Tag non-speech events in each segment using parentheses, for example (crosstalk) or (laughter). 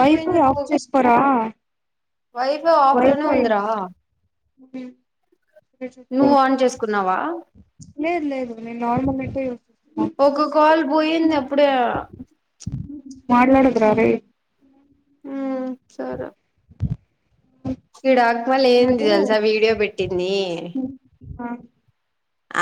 Wifi of చేసుకోరా wifi ఆఫ్లోనే వుందిరా మ్ సరే చెప్పు చేసుకున్నావా లేదు లేదు నేను నార్మల్ మ్ ఒక కాల్ పోయింది అప్పుడే మాట్లాడకురా రేయి ఉమ్ సరే ఈడా అక్క లేంది మధు తెలుసా వీడియో పెట్టింది అ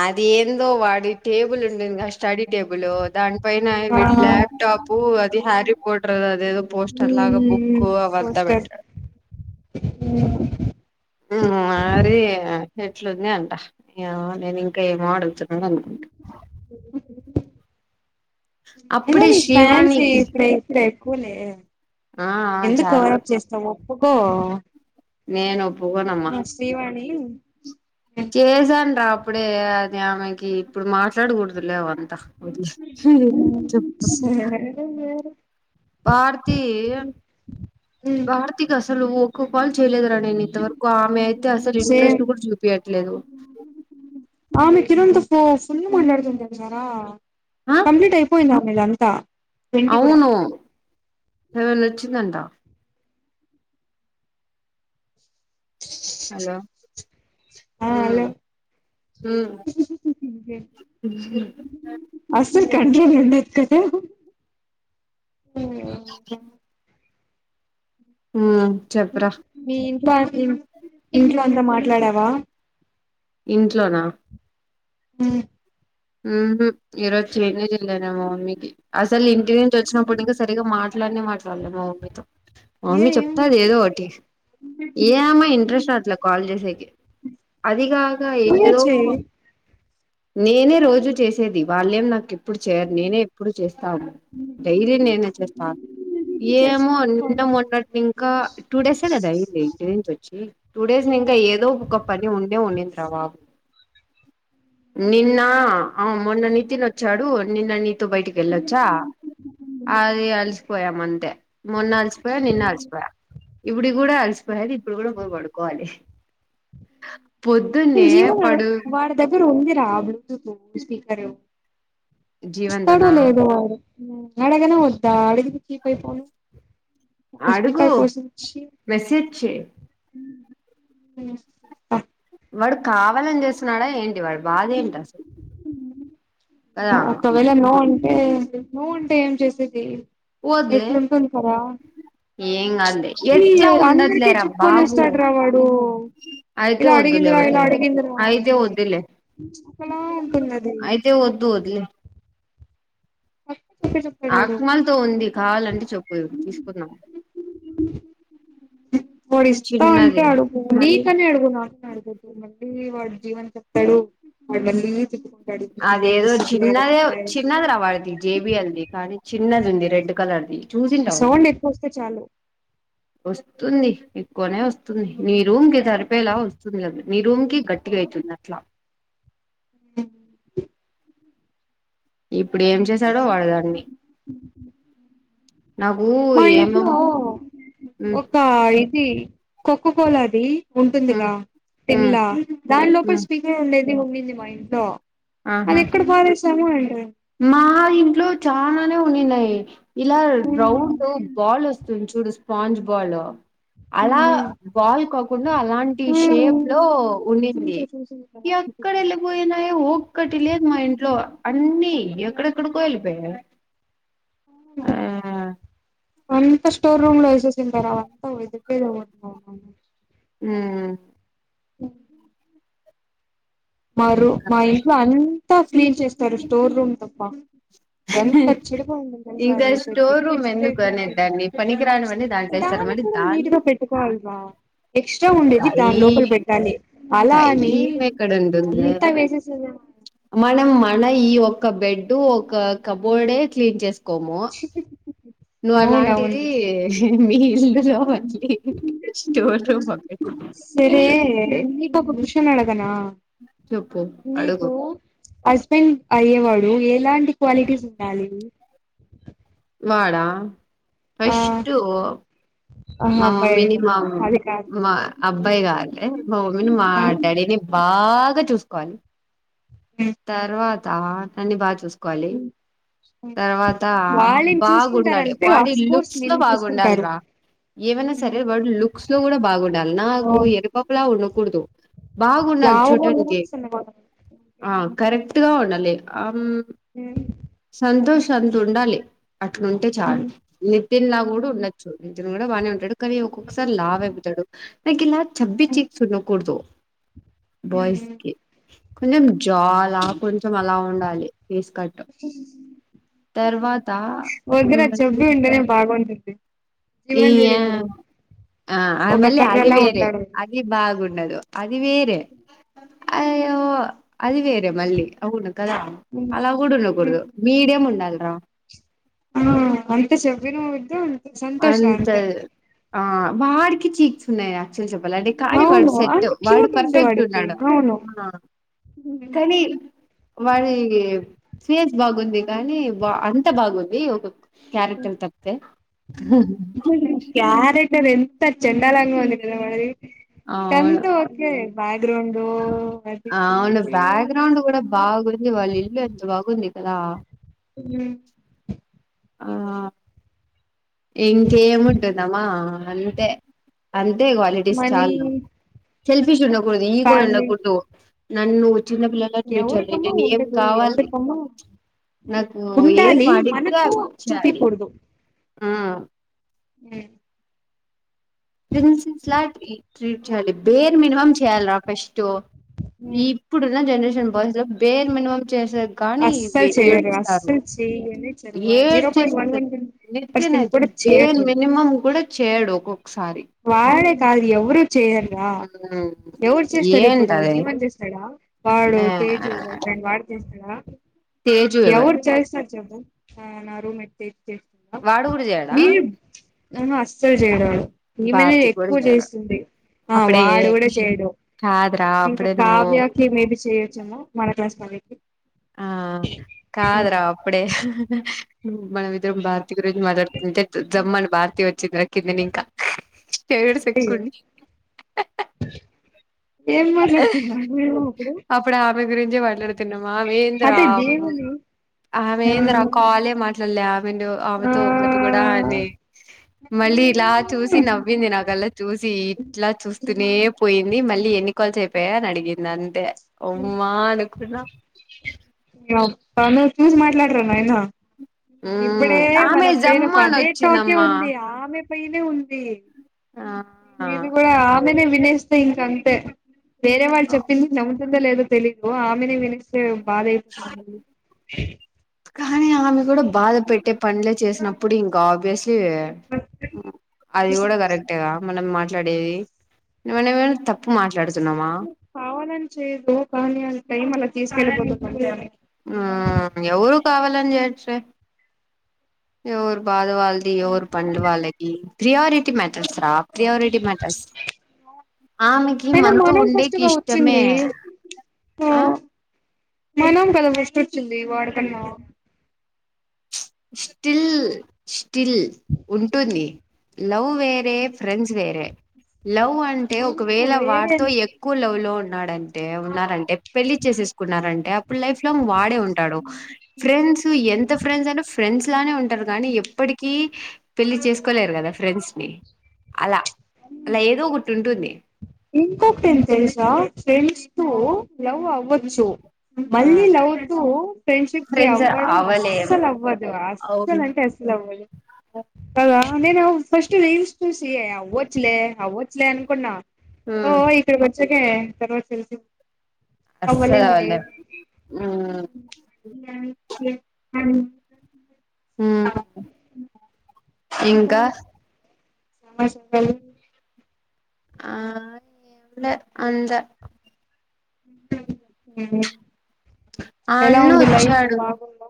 అది ఏందో వాడి టేబుల్ ఉండిందిగా స్టడీ టేబుల్ దాని పైన వీడి ల్యాప్టాపు అది హ్యారీపోటరు అదేదో పోస్టర్ లాగా బుక్ మ్మ్ అవంతా పెట్టాడు మ్ అ మరి ఎట్లా వుంది అంటా నీ అవ్వ నేను ఇం క ఏమో అడుగుతున్నాడు అనుకుంటి మ్మ్ ఎందో అప్పుడే నీ ఫ్యాన్స్ శ్రీవాణికి ఇక్కడ ఇక్కడ ఎక్కువ లేదు ఆ ఎందుకు చాలు కవర్ప్ చేస్తావు అబ్బో నేను ఓప్పుకోనమ్మా శ్రీవాణి చేసాను రా అప్పుడే అది ఆమెకి ఇప్పుడు మాట్లాడుకూడదులే అవన్నీ త చెప్తా సరే సరే ఆర్తీ గార్తీ కి వస్ చాలు ఊకో కాల్ చేయలేదురా నేను ఇంతవరకు ఆమె అయితే అసలు ఇంట్రెస్ట్ సేమ్ కూడా చూపియట్లేదు నిజం చెప్పు ఫుల్లు మాట్లాడకుండా ఉన్నారా ఆ కంప్లీట్ అయిపోయిందా నేన్ అంత అవును సెవన్ వచ్చిందంట హలో ఆ హలో మ్మ్ మ్మ్ (unintelligible) సలు కంట్రోల్ ఉండదు కదా మ్మ్ చెప్పు రా బాటుంది ఇంట్లో అంతా మాట్లాడావా ఇంట్లోనా మ్మ్ హ్మ్ హు ఈరోజు చెయ్యనే చెయ్యలే నేన్ మా మమ్మీ కి అసలు ఇంటి నుంచి వచ్చినప్పుడునింక సరిగా మాట్ ట్లనే మాట్లాడ్లే మా మమ్మీ తో మా ఏ మమ్మీ చెప్తాది ఏముంది ఏదో ఒకటి ఏమ ఇంట్రెస్ట్ రాట్లా కాల్ చేసేకి అది కాక నువ్వే ఏదో చెయ్ నేనే రోజు చేసేది వాళ్ళేం నాకి ఎప్పుడు చేయరు నేనే ఎప్పుడు చేస్తాను డైలీ నేనే చేస్తా చేస్త ఏమో నిన్న మన్నట్ నింక టూ డేసే కదా అయ్యింది ఇంటి నుంచి వచ్చి టు డేస్ నీ ఇంగ ఏదో ఒక్క పని ఉండే ఉన్నంత రావా నిన్న ఆ మొన్న నీతిన్ వచ్చాడు నిన్న నీతు బయటికి వెళ్ళొచ్చా అది అలిసిపోయాం అంతే మొన్న అలసిపో పోయ నిన్న అలిసిపోయా ఇప్పుడు కూడా అలసిపోయాలి ఇప్పుడు కూడా పో పడుకోవాలి పొద్దునేే పడు రూంధిర పో స్పీ అరేయ్ ఇస్తాడు జీవన్తోనా లేదోవడు అడగనా వద్దా అడుగ పయిపోను అడుగు మెసేజ్చై ఉ ప వాడు కావాలని చేస్తున్నాడా ఏంటి వాడి బాధేంటి అసలు నో కదా ఒకవైల నోట్ నువ్వుంటే ఏం చేసేది వద్లే ఎట్లుంటుంది కదా ఏం కాదులే చీ ఈ ఎట్లా అందరికిీ ఉండట్లేరా చప్పుకొని బాబు వస్తాడు్రా వాడు అయితే ఇలా వద్దులే అడిగిందిరా ఇలా వద్దులే అడిగిందిరా అయితే అని వద్దులే ఒక్కలా ఉంటున్నది దూద్లే పక్క చెప్పే చెప్తాడు వాడు ఆకమాలతో ఉంది కావాలంటే చెప్పు తీసుకుందాం పడి ఇస్తా చిన్నది అంటే అడుగు నీకనే అడుగు నా అడుగుద్దు ళ్ వాడు జీవన్ చెప్తాడు వా మళ్ళీ నీకెంత అదేదో సిగ్గులేదా చిన్నదే ఇలా చిన్నదిర వాడిది జేబిఎల్ది కానీ న్న ఉంది రెడ్ కలర్ది చూసింటావు సౌండ్ ఏకువ వస్తే చాలు వస్తుంది ఎక్కువనే వస్తు వంది నీ రూమ్ కి సరిపేలా వస్తుంది లే మీ రూంకి గట్టిగా అట్లా ఉ ఇప్పుడు ఏం చేసాడో వాడదాన్ని మా ఇంట్లో హ్మ్ ఒక ఇది కోకో కోలాది హ్మ్ ఉంటుందిగా హ్మ్ టన్లా దాని లోపల హ్మ్ స్పీకర్ ఉండేది ది ఉండింది మా ఇంట్లో ఆహా అది ఎక్కడ పారిస్ సమాన్ అంట మా ఇంట్లో చానా ఉనిన్నాయి ఇలా రౌండ్ బాల్ వస్తు తు చూడు స్పాంజ్ బాల్ అలా వాల్ కాకుండా అలాంటి షేప్ లో ఉండింది చూసా చూసా ఎక్కడ ఏళ్ళిపోయినాయో ఒక్కటి లేదు మా ఇంట్లో అన్ని ఎక్కడెక్కడకో ఎల్లిపోయాయి ఆ అంతా స్టోర్ రూమ్ లో ఏసేసింటారు అవంతా (unintelligible) హ్మ్ ఓ మా రు ఇంకా మా ఇంట్లో అన్ అంతా క్లీన్ చేస్తారు స్టోర్ రూమ్లో ఎంత చెడుగా ఉంటుంది తెలుసా ఇంకా అది అయితే స్టోర్ రూమ్ ఎందుకు అనేదాన్ని పనికిరానివన్నీ దాంట్లో (unintelligible) ఏస్తారు దాన్ని మళ్ళీ కూడా దాన్ని నీట్గా పెట్టుకోవాలిగా ఎక్స్ట్రా ఉండేది దాని అయి లోపల పెట్టాలి అలా అని టైం ఎక్కడుంటుందే అంతా వేసేసేదే మనం మన ఈ ఒక్క బెడ్డు ఒక కబోర్డే క్లీన్ చేస్ కొము నువ్వు అవునవును అలాంటిది నిజమే అది మీ ఇల్లులో మళ్ళీ స్టోర్ రూమ్ ఒకటి సరే నీకు ఒక క్వెస్టన్ అడుగనా చెప్పు అడుగు హస్బెండ్ అయ్యేవాడు ఎలాంటి క్వాలిటీస్ ఉండాలి వాడా ఆ ఫస్ట్ ఆహా మా అబ్బాయి మమ్మీని అయ్యేవాడు మా అది కాదు మా అబ్బాయి కావాలే మా మమ్మీని మా ఆ డాడీని బాగ్ గా చూసుకోవాలి ఉమ్, తర్వా త అతన్ని బా చూస్ కోవాలి ఉమ్. తర్వాత వాళ్ళని బాగుండాలి చూసుకుంటారంటే వాడి అఫ్ కోర్స్ లుక్స్ లో నిన్ను చూసుకుంటారు బాగుండాలిరా ఏమైనా సరే మ్మ్ వాడి లుక్స్ లో కూడా బాగుండాలి ఓ నాకు ఎరుపప్పులా ఉ కుడుదు లావుగా ఉండకూడదు సన్నగా ఉండకూడదు ఆ కరెక్ట్ గా ఉండాలి అం మ్మ్ సంతోష్ అంత ఉండాలి అట్లుంటే చాలు నితిన్ లా కూడా మ్మ్ ఉండొచ్చు నీతిన్ కూడా బానే ఉంటాడు కని ఒక్కొక్కసారి లావు అయిపోతాడు నాకు ఇలా చబ్బీ చిక్స్ఉండకూడదు బాయ్స్ కి కొంచం చాలా కొంచెం అలా ఉండాలి ఫేస్ కట్ తర్వాత ఒదుర చబ్బి ఉంటనే బాగుంటది ఇయ ఆ ఒక మళ్ళీ అది కర్రలా వేరే ఉంటాడు అది బాగుండదు అది అది వేర అయ్యో అదివేరే మలి అవును కదా అలా కూడా ఉండకూడదు మీడియం ఉండాలరా ఆ అంత చెవ్విన వద్దు అంత సంతోష అంతే ఆ వాడికి చీజ్స్ ఉన్నాయా చూ చెప్పాలంటే కానీ వాడు అవును సెట్ అంటే వాడు క్యూట్ ఉంది పర్ఫెక్ట్ వాడికి ఉన్నాడు అవును కానీ వాడి ఫెస్ బాగుంది కానీ బా అంత బాగుంది ఒక క్యారెక్టర్ తప్పే క్యా రెక్టర్ ఎంత చెండాలంగా ఉంది కదా మరి అవును అంత ఒకె బ్యాక్ గ్రౌండ్ అవును బ్యాక్గ్రౌండ్ కూడా బాగుంది వాళ్ళ ఇల్లు ఎంత బాగుంది లా ఉ ఆ ఇంకేముంటుందమా అంతే అం అదే క్వాలిటీస్ మనీ చాలా సెల్ఫీస్ ఉండకూడదు ఈగో ఫ్యామిలీ ఉండకూడదు నన్ను చిన్నపిల్లల్లో చూర్చాలి ఎవరికమ్మా నే ఏం ఉండదు కావాలి ఎవరికమ్మా నాకు ఏం ఉండాలి ఆడితే మనతో అవి ఇచేయాలి ఆ హ ప్రిన్సెస్లా ట్రీట్ చేయాలి బేరు మినిమం చేయాలిరా ఫస్ట్ ఈ ఇప్పుడున్న జనరేషన్ బస్ పేరు మినిమం చేసేది కానీ అస్సలు చెయరు అస్సలు చెయననే ఏ తీ స పర్సెంట్ నిత్యనజ కూడా బేల్ చేయట్లేదు మనిమమ్ కూడా చేయడు ఒక్కొక్కసారి వాడే కదయావ ఎవరు చేయర్రా ఎవరు చేస్తారు ఇప్పుడు ఏంటది జీవన్ చేస్తాడా వాడు ఆ తేజు వై ఫ్రెండ్ వాడు చేస్త అ ఎవడు చేస్తాడు చెప్పు ఆ నా రూమేట్ తీ వాడుగుడ చేయలా ఆహా అస్ అసలు చేయడు వాడు, ఈమెనే కూడా ఎక్కువ చేయడు చేస్తుంది, ఆ అప్పుడే వాడు కూడా చేయడు కాదురా ఇంకా అప్పుడే నువ్వు కావ్యకి మేబి చేయొచ్చేమో, మన కస్తాలెకు ఆ కాదురా అప్పుడే మ్ మన మిద్దరం భారతీ గురించి మాట్లాడుతుంటే జమ్మని భారతీ వచ్చిందిర కిందనింకా అయ్యో ఏం మాట్లాడుతున్నాం (unintelligible) మేము అప్పుడు అప్పుడా ఆమే గురించే మాట్లాడ్తున్నాం ఆమేంద్రా అదే దేవుని ఆ ఆమేంద్ర కాలే మాట్లాడలే ఆమెను ఆ ఆమెతో ఒకటి కూడా అని, మళ్ళీ ఇలా చూసి నవ్వింది నాకల్లా చూసి ఇట్లా చూస్తూనే పోయింది మళ్ళీ ఎన్ని కాల్స్ అయిపోయాయి అని అడిగింది అంతే ఓమ్మా అనుకున్నా అ, తను చూసి మాట్లాడ్ర నాయనా మ్మ్ ఇప్పుడే మన ఆమె పేన జమ్మని పదే టాకే వచ్చిందమ్మా ఉంది ఆమె పైనే ఉంది ఆ ఇది కూడా (unintelligible) వినేస్తే ఇంకా అంత వేరే వాళ్ళు చెప్పింది నం వినిందో లేదో తెలిదు ఆమెనే వినేస్ చే బాదైతుంది కానీ ఆమె కూడా బాధ పెట్టే పనులే చేసినప్పుడు ఇంకా ఆబ్వియస్ అది కూడా కరెక్టేగా మనం మాట్ మాట్లాడేది మనం ఏమ్ తప్పు మాట్లాడు కావాలని చేయదు కానీ అ టైం అలా తీసుకెళ్ళిపోతద్ (unintelligible) ఆ ఎవరు కావాలని చేయట్లే, ఎవరు బాధ వాలది ది ఎవరు పనులు వాళ్లకి ప్రియారిటీ మ్యాటర్స్ రా ప్రియారిటీ మ్యాటర్స్ ఆమెకి అయినా మనతు మనం ఉండే ఫస్ట్ గా కిష్టమే వచ్చింది మనం కదా ఫస్టోచ్చింది వాడికన్నా స్టిల్ స్టిల్ ఉంటుంది లవ్ వేరే ఫ్రెండ్స్ వేరే లవ్ అంటే ఒకవేళ వేరే వారితో ఎక్కువ లవ్ లో ఉం ఉన్నాడంటే ఉన్నారంటే పెళ్లి చేసేసుకున్నారండి ప్పుడులై వాడే ఉంటాడు ఫ్రెండ్స్ ఎంత ఫ్రెండ్స్ అయినా ఫ్రెండ్స్ లానే ఉంటారు కానీ ఎప్పటికీ పెళ్లి చేసుకోలేరు కదా ఫ్రెండ్స్ ని అలా అలా ఏదో ఒకటి ఉంటుంది ఇంకొకటేం తెలుసా ఫ్రెండ్స్ తో లవ్ అవ్వచ్చు మళ్ళీ లవ్తూ ఫ్రెండ్షిప్ కి ఫ్రెండ్స్ అవ్వడం అవ్వలేం అస్సలు అవ్వదు అవును అస్సలు అంటే అస్సలు అవ్వదు కాగా నేను ఫస్ట్ రీల్స్ చూసి అవచ్చలే అవచ్చలే అన్కన్నా హ్మ్ తర్వాత తెల్ అస్సలవ్వలేం అ అ ఇంకా (inaudible) ఆ అ అంతా ఆ ఎలా అన్న ఉంది లైఫ్ వచ్చాడు బాగుందా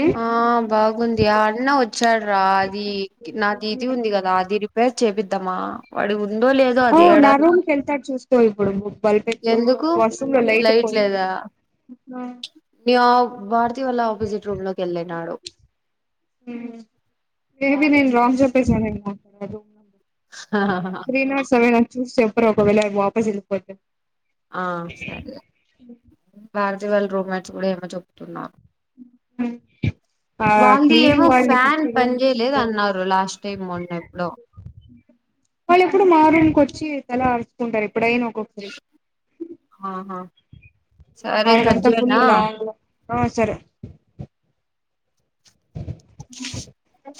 ఉమ్ ఆ బాగుంది ఆ అన్న వచ్చాడు రా అది నా దీది ఉంది కదా అది రిపేర్ చేబిద్దమా అడుగు ఓ నా రూమ్కి వెళ్తాడు చూస్తకో ఇప్పుడు బల్ ఎట్కో ఎందుకు వాష్రూమ్ లో లైట్ పోయింది ఆ నీ భారతి వాళ్ళ ఆపోజిట్ రూమ్ లోకి వెళ్ళినడు మేబి నేన్ రాంగ్ చేప్పేసినా ఏమో దో నంబ త్రీనాట్ సెవనా చూసి చెప్పు ప్పు ఒకవేళ వాపస్ ఇచ్చిపోతే ఆ సరే భారతి వాళ్ళ రూమెట్స్ కూడా ఏమో చెప్తున్నారు వాళ్ళది క్నీనింగ్ ఏమో వాళ్ళని ఫ్యాన్ పని చేయలేదు అన్నారు లాస్ట్ టైం మొన్న ఎప్పుడో వాళ్ళు ఎప్పుడు మా రూమ్కి వచ్చి తల ఉంటరు ఎప్పుడైనా ఒకోసరి ఆహా సరే కట్ అదంత ఫుల్ చేయనా లాంగ్ లో ఆ సరే